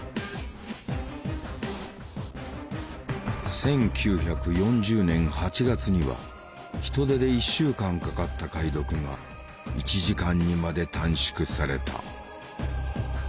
１９４０年８月には人手で１週間かかった解読が１時間にまで短縮された。